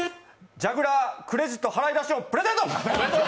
ジャグラー、クレジット払い出し音プレゼント！